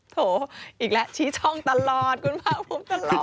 โถอีกแล้วชี้ช่องตลอดคุณภาคภูมิตลอด